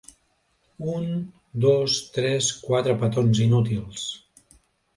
Un dos tres quatre petons inútils.